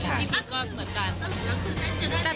พี่พลิกก็เหมือนกัน